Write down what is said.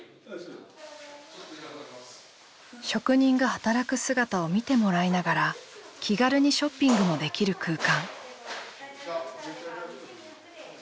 職人が働く姿を見てもらいながら気軽にショッピングもできる空間。